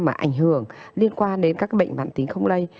mà ảnh hưởng liên quan đến các bệnh mãn tính không lây